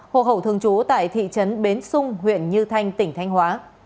hộ hậu thường trú tại thị trấn bến xung huyện như thanh tỉnh thanh hóa